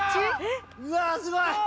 うわすごい。